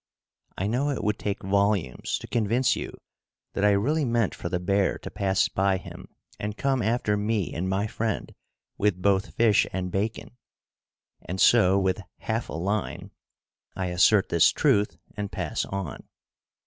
I know it would take volumes to convince you that I really meant for the bear to pass by him and come after me and my friend with both fish and bacon, and so, with half a line, I assert this truth and pass on.